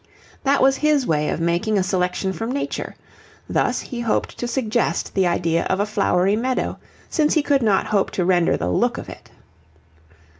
That was his way of making a selection from nature; thus he hoped to suggest the idea of a flowery meadow, since he could not hope to render the look of it.